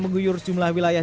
mengguyur jumlah wilayah